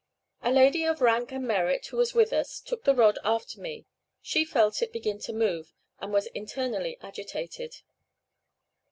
A lady of rank and merit, who was with us, took the rod after me; she felt it begin to move, and was internally agitated.